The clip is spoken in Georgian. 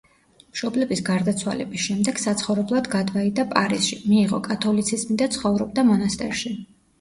მშობლების გარდაცვალების შემდეგ საცხოვრებლად გადვაიდა პარიზში მიიღო კათოლიციზმი და ცხოვრობდა მონასტერში.